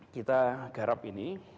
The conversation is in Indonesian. kita garap ini